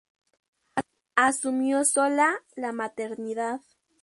Asumió sola la maternidad.